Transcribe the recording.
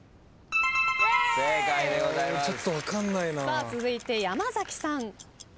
さあ続いて山崎さん。